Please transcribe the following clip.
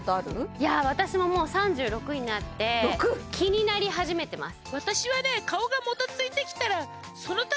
いや私ももう３６になって気になり始めてます